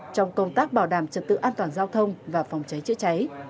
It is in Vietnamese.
trong công tác bảo đảm trật tự an toàn giao thông và phòng cháy chữa cháy